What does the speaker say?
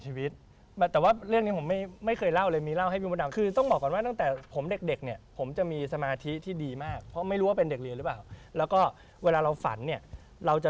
ฉันไม่นั่งกับคุณแล้วนะ